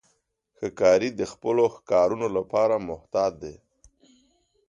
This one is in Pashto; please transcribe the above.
ښکاري د خپلو ښکارونو لپاره محتاط دی.